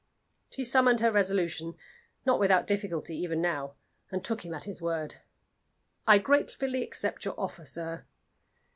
She summoned her resolution not without difficulty, even now and took him at his word. "I gratefully accept your offer, sir."